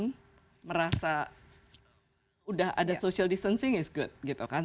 dan kami juga merasa sudah ada social distancing is good gitu kan